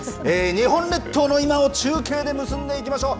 日本列島の今を中継で結んでいきましょう。